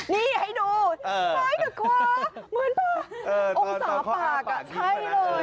นี่ให้ดูท้ายกับขวาเหมือนป่ะองค์สาปากใช่เลย